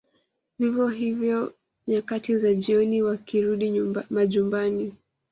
Vivyo hivyo nyakati za jioni wakirudi majumbani